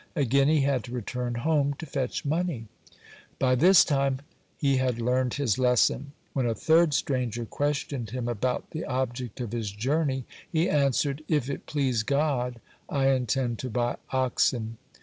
Again he had to return home to fetch money. By this time had learned his lesson. When a third stranger questioned him about the object of his journey, he answered: "If it please God, I intend to buy oxen."